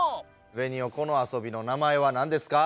ベニオこの遊びの名前はなんですか？